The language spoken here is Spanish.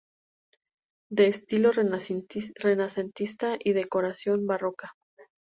De estilo renacentista y decoración barroca.